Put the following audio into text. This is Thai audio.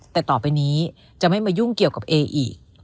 แต่ต่อไปนี้จะไม่มายุ่งเกี่ยวกับเออีก